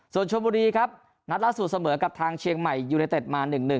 ส่วนชมบุรีครับนัดล่าสุดเสมอกับทางเชียงใหม่ยูเนเต็ดมา๑๑